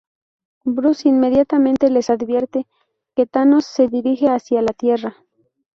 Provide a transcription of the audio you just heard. Bruce inmediatamente les advierte que Thanos se dirige hacia la Tierra.